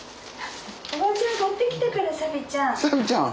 おばちゃん買ってきたからサビちゃん。